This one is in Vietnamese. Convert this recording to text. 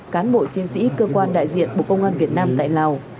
cán bộ chiến sĩ cơ quan đại diện bộ công an việt nam tại lào